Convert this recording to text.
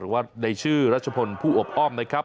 ว่าในชื่อรัชพลผู้อบอ้อมนะครับ